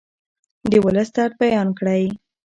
د ولس درد بیان کړئ.